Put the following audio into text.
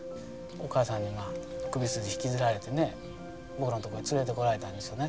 お母さんに首筋引きずられて僕らのところに連れてこられたんですよね。